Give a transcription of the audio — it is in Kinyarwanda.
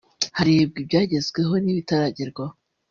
harebwa ibyagezweho n’ibitaragerwaho